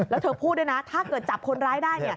แล้วเธอพูดด้วยนะถ้าเกิดจับคนร้ายได้